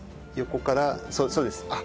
横からそうです。